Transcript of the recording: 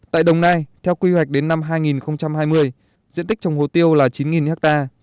tại đồng nai theo quy hoạch đến năm hai nghìn hai mươi diện tích trồng hồ tiêu là chín ha